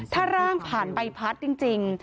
ถ้าร่างผ่านใบพัดจริง